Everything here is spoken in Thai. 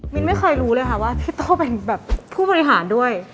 ไม่เคยรู้เลยค่ะว่าพี่โต้เป็นแบบผู้บริหารด้วย